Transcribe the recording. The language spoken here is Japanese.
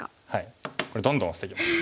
これどんどんオシていきます。